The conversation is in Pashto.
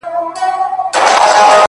• لكه د مور چي د دعا خبر په لپه كــي وي؛